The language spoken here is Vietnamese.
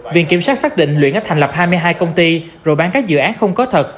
viện kiểm sát xác định luyện đã thành lập hai mươi hai công ty rồi bán các dự án không có thật